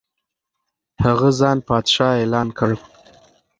هغه ځان پادشاه اعلان کړ.